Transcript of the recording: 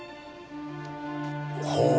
ほう。